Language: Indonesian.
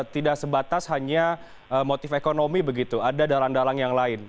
tidak sebatas hanya motif ekonomi begitu ada dalang dalang yang lain